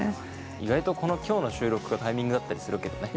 意外とこの今日の収録がタイミングだったりするけどね。